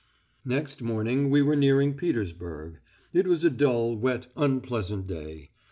Next morning we were nearing Petersburg. It was a dull, wet, unpleasant day.